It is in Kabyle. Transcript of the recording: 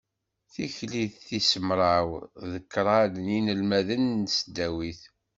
Tikli tis mraw d kraḍ n yinelmaden n tesdawit.